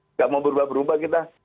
nggak mau berubah berubah kita